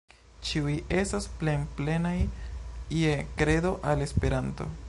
Ĉiuj estas plen-plenaj je kredo al Esperanto.